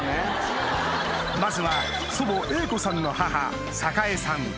まずは祖母・榮子さんの母榮さん